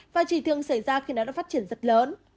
và chỉ thường xảy ra khi nó đã phát triển rất lớn